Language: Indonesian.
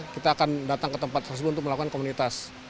kita akan datang ke tempat tersebut untuk melakukan komunitas